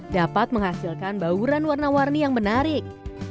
dapat menghasilkan bauran warna warni yang menarik